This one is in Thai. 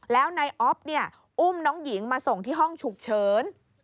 แล้วนายอ๊อฟอุ้มน้องหญิงมาส่งที่ห้องฉุกเฉิน